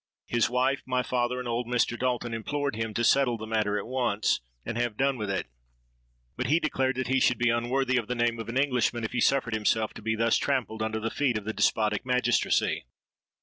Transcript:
His wife, my father, and old Mr. Dalton implored him to settle the matter at once and have done with it: but he declared that he should be unworthy of the name of an Englishman if he suffered himself to be thus trampled under the feet of the despotic magistracy.